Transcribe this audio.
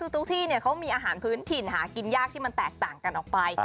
ที่เขามีอาหารพื้นถิ่นหากินยากที่มันแตกต่างกันออกไป